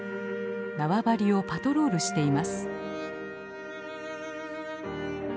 縄張りをパトロールしています。